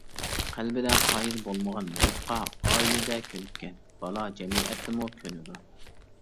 قەلبىدە قايىل بولمىغان مۇھىتقا ئائىلىدە كۆنۈككەن بالا جەمئىيەتتىمۇ كۆنىدۇ.